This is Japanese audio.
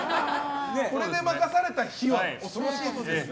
これで任された日には恐ろしいですね。